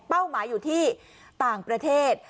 หมายอยู่ที่ต่างประเทศ